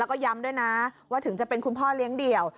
แล้วก็ย้ำด้วยนะว่าถึงจะเป็นคุณพ่อเลี้ยงเดี่ยว